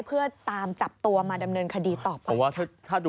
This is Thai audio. เพื่อตามจับตัวมาดำเนินคดีต่อไป